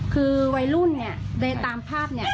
คือวัยรุ่นเนี่ยในตามภาพเนี่ย